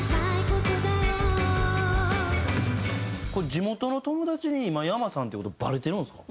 地元の友達に今ｙａｍａさんって事バレてるんですか？